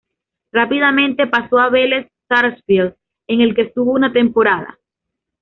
Rápidamente pasó a Velez Sarsfield, en el que estuvo una temporada.